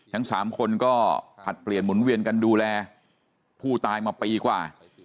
ทั้งสามคนก็ผลัดเปลี่ยนหมุนเวียนกันดูแลผู้ตายมาปีกว่า